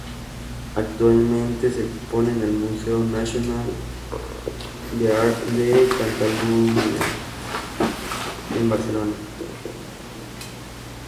Actualmente se expone en el Museu Nacional d'Art de Catalunya, en Barcelona.